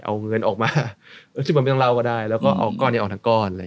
เอาเงินออกมาซึ่งมันไม่ต้องเล่าก็ได้แล้วก็เอาก้อนนี้ออกทั้งก้อนเลย